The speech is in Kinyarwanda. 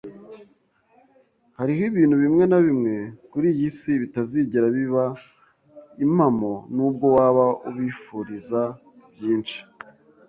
Hariho ibintu bimwe na bimwe kuri iyi si bitazigera biba impamo, nubwo waba ubifuriza byinshi